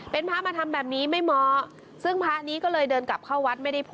เป็นพระมาทำแบบนี้ไม่เหมาะซึ่งพระนี้ก็เลยเดินกลับเข้าวัดไม่ได้พูด